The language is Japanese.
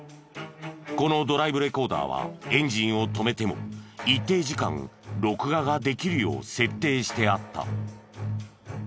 このドライブレコーダーはエンジンを止めても一定時間録画ができるよう設定してあった。